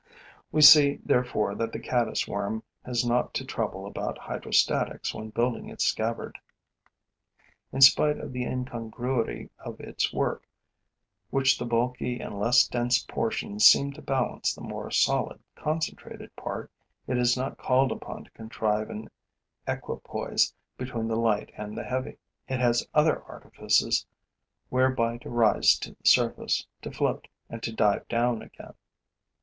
We see, therefore, that the caddis worm has not to trouble about hydrostatics when building its scabbard. In spite of the incongruity of its work, in which the bulky and less dense portions seem to balance the more solid, concentrated part, it is not called upon to contrive an equipoise between the light and the heavy. It has other artifices whereby to rise to the surface, to float and to dive down again.